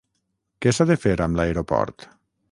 Què s’ha de fer amb l’aeroport?